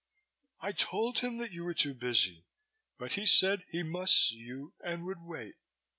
"I told him that you were too busy, but he said he must see you and would wait."